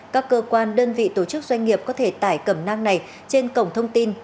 các cơ quan đơn vị tổ chức doanh nghiệp có thể tải cẩm nang này trên cổng thông tin